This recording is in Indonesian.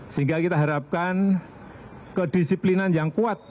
sehingga kita harapkan kedisiplinan yang kuat